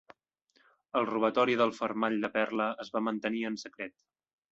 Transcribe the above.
El robatori del fermall de perla es va mantenir en secret.